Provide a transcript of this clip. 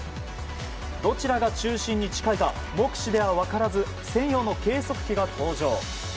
どちらが中心に近いか目視では分からず専用の計測器が登場。